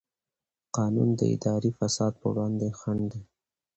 قانون د اداري فساد پر وړاندې خنډ دی.